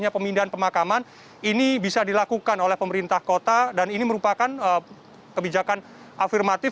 pemindahan pemakaman ini bisa dilakukan oleh pemerintah kota dan ini merupakan kebijakan afirmatif